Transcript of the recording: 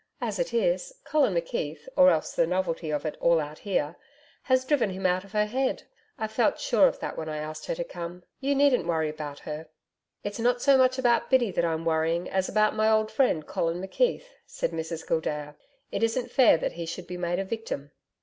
As it is, Colin McKeith, or else the novelty of it all out here has driven him out of her head. I felt sure of that when I asked her to come. You needn't worry about her.' 'It's not so much about Biddy that I'm worrying as about my old friend, Colin McKeith,' said Mrs Gildea. 'It isn't fair that he should be made a victim.'